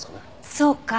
そうか。